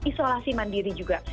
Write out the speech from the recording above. isolasi mandiri juga